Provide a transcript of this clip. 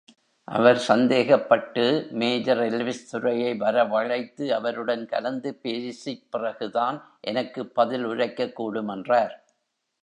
அவர் சந்தேகப்பட்டு, major Elvis துரையை வரவழைத்து, அவருடன் கலந்து பேசிப் பிறகுதான் எனக்குப் பதில் உரைக்கக்கூடுமென்றார்.